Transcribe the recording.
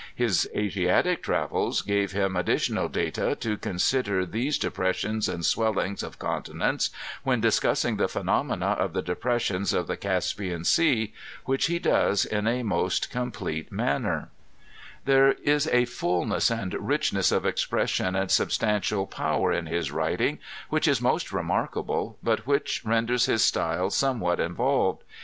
His Asiatic travels gave him addL┬╗ tional data to consider these depressions and swellings of conti nents, when discussing the phenomena of the depressions of the Caspian Sea, which he does in a most complete manner, lhere is a fullness and richness of expression and substantial Sower in his writing, which is most remarkable, but which ren ers his style somewhat involved.